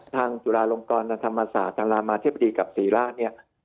ทางจุฬาลงกรณฑมศาสตร์ทางรามาเทพดีกับศรีราช